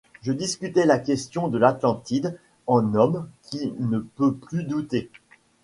Je discutais la question de l’Atlantide en homme qui ne peut plus douter.